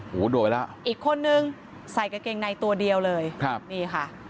โอ้โหโดดไปแล้วอีกคนนึงใส่กางเกงในตัวเดียวเลยครับนี่ค่ะ